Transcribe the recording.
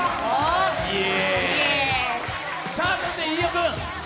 そして飯尾君。